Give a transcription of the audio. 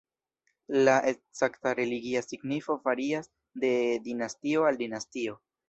La ekzakta religia signifo varias de dinastio al dinastio.